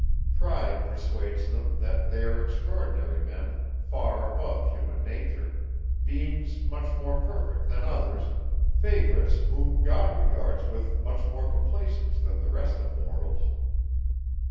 Pride persuades them, that they are extraordinary men far above human nature, beings much more perfect than others, favourites whom God regards with much more complaisance than the rest of mortals.